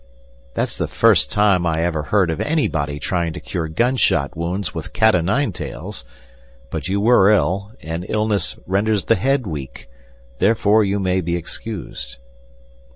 "That's the first time I ever heard of anybody trying to cure gunshot wounds with cat o' nine tails; but you were ill, and illness renders the head weak, therefore you may be excused."